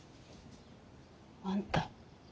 あんた。